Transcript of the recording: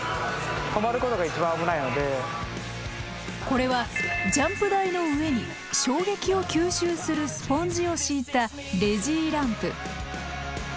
これはジャンプ台の上に衝撃を吸収するスポンジを敷いたレジーランプ。